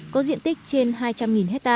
có diện tích trên hai m hai